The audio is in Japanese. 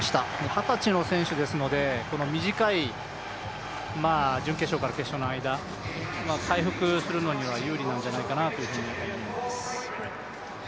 二十歳の選手ですので、短い準決勝から決勝の間、回復するのには有利なんじゃないかなと思います。